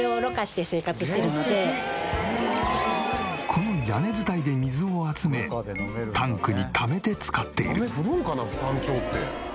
この屋根伝いで水を集めタンクにためて使っている。